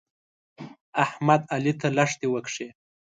احمد؛ علي ته لښتې وکښې.